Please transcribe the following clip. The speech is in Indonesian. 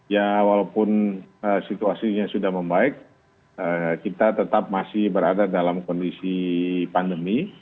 ya walaupun situasinya sudah membaik kita tetap masih berada dalam kondisi pandemi